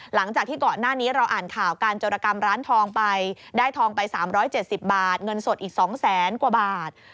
หลังจากที่ก่อนหน้านี้เราอ่านข่าวการโจรกรรมร้านทองไปได้ทองไป๓๗๐บาทเงินสดอีก๒แสนกว่าบาท